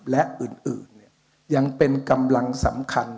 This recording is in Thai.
และอื่นยังเป็นกำลังสำคัญ